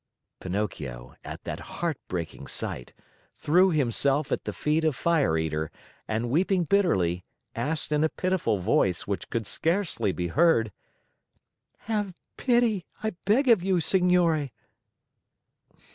Pinocchio, at that heartbreaking sight, threw himself at the feet of Fire Eater and, weeping bitterly, asked in a pitiful voice which could scarcely be heard: "Have pity, I beg of you, signore!"